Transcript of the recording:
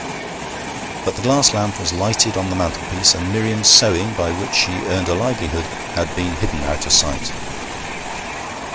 But the glass lamp was lighted on the mantelpiece, and Miriam's sewing, by which she earned a livelihood, had been hidden out of sight.